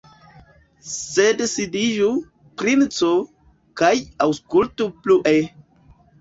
Sed sidiĝu, princo, kaj aŭskultu plue!